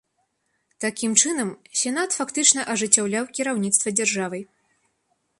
Такім чынам, сенат фактычна ажыццяўляў кіраўніцтва дзяржавай.